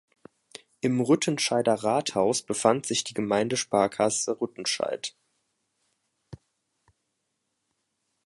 Im Rüttenscheider Rathaus befand sich die Gemeindesparkasse Rüttenscheid.